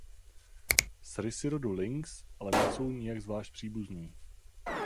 S rysy rodu "Lynx" ale nejsou nijak zvlášť příbuzní.